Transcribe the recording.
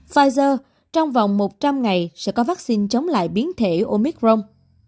pfizer trong vòng một trăm linh ngày sẽ có vaccine chống lại biến thể omicron